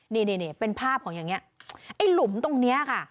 นี่นี่เป็นภาพของอย่างนี้ไอ้หลุมตรงนี้ค่ะ